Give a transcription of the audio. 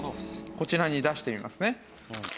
こちらに出してみますね。